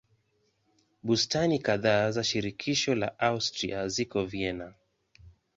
Bustani kadhaa za shirikisho la Austria ziko Vienna.